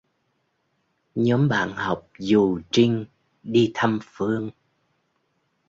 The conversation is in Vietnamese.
Nhóm bạn học dù Trinh đi thăm Phương